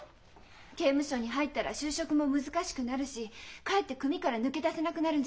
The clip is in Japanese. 刑務所に入ったら就職も難しくなるしかえって組から抜け出せなくなるんじゃないかしら。